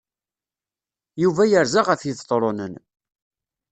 Yuba yerza ɣef Ibetṛunen.